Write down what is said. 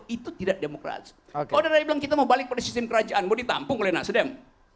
itu tidak demokrasi oke kita mau balik ke sistem kerajaan mau ditampung oleh nasreddin